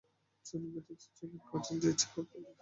চুল বেঁধেছে, চোখে কাজল দিয়েছে-কপালে।